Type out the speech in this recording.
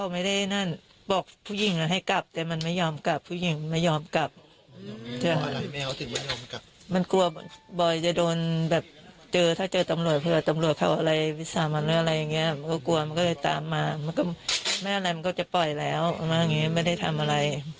แม่แม่ก็จะปล่อยแล้วไม่ได้ทำอะไร